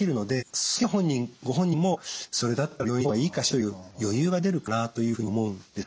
その結果ご本人もそれだったら病院に行った方がいいかしらという余裕が出るかなというふうに思うんです。